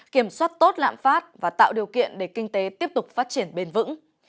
kiểm soát tốt lãm phát và tạo điều kiện để kinh tế tiếp tục phát triển bền vững